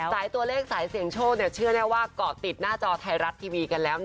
สายตัวเลขสายเสี่ยงโชคเชื่อแน่ว่าเกาะติดหน้าจอไทยรัฐทีวีกันแล้ว